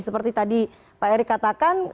seperti tadi pak erick katakan